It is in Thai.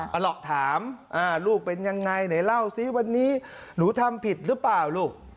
เอาล่ะถามลูกเป็นยังไงไหนเล่าสิวันนี้หนูทำผิดหรือเปล่าลูก